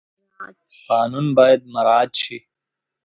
قانون باید مراعات شي.